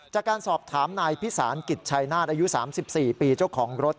จากการสอบถามนายพิสารกิจชายนาฏอายุ๓๔ปีเจ้าของรถ